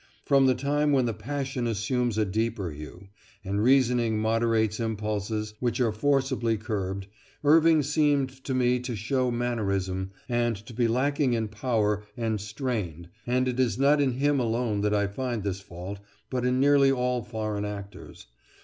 From the time when the passion assumes a deeper hue, and reasoning moderates impulses which are forcibly curbed, Irving seemed to me to show mannerism, and to be lacking in power, and strained, and it is not in him alone that I find this fault, but in nearly all foreign actors.